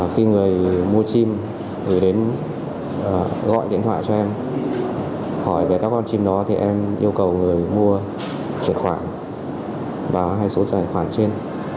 khi người mua chim gọi điện thoại cho em hỏi về các con chim đó thì em yêu cầu người mua truyền khoản và hai số truyền khoản trên